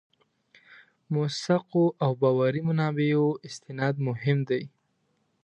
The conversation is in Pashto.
موثقو او باوري منابعو استناد مهم دی.